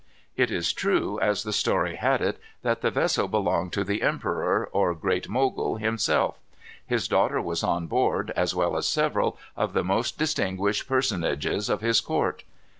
It is true, as the story had it, that the vessel belonged to the emperor, or Great Mogul, himself. His daughter was on board, as well as several of the most distinguished personages of his court.